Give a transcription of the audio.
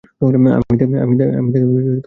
আমি তাকে অনুসরণ করছি।